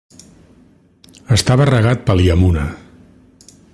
Estava regat pel Yamuna.